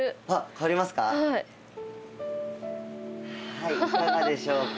はいいかがでしょうか？